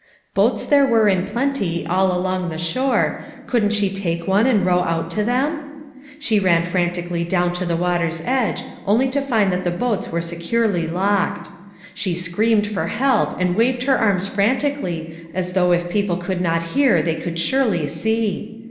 Boats there were in plenty all along the shore, couldn't she take one and row out to them? She ran frantically down to the water's edge only to find that the boats were securely locked. She screamed for help, and waved her arms frantically as though if people could not hear they could surely see.